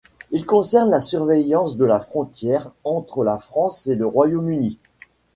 Il concerne la surveillance de la frontière entre la France et le Royaume-Uni.